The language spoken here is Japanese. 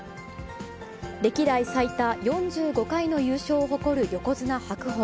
歴代最多４５回の優勝を誇る横綱・白鵬。